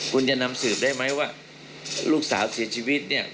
คุณจะนำสืบได้ไหมว่าลูกสาวเสียชีวิตเนี่ย